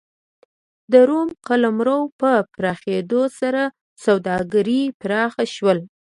د روم قلمرو په پراخېدو سره سوداګري پراخ شول